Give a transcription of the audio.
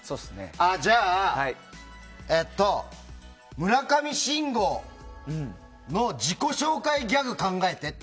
じゃあ、村上信五の自己紹介ギャグ考えてって。